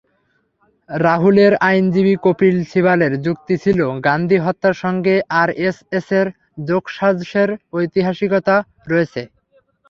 রাহুলের আইনজীবী কপিল সিবালের যুক্তি ছিল, গান্ধী হত্যার সঙ্গে আরএসএসের যোগসাজশের ঐতিহাসিকতা রয়েছে।